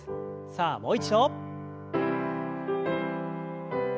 さあもう一度。